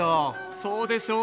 そうでしょ。